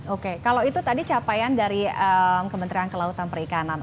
oke kalau itu tadi capaian dari kementerian kelautan perikanan